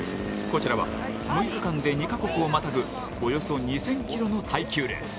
こちらは６日間で２か国をまたぐおよそ２０００ｋｍの耐久レース。